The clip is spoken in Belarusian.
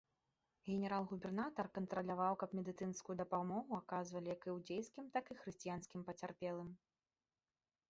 Генерал-губернатар кантраляваў, каб медыцынскую дапамогу аказвалі як іудзейскім, так і хрысціянскім пацярпелым.